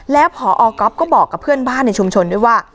แล้วพอก๊อฟก็บอกกับเพื่อนบ้านในชุมชนด้วยว่า